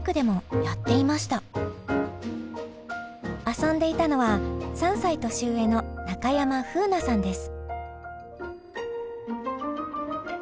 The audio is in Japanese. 遊んでいたのは３歳年上の中山楓奈さんです。